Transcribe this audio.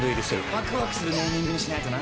ワクワクするネーミングにしないとな。